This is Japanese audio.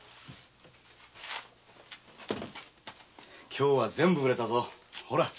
今日は全部売れたぞほら。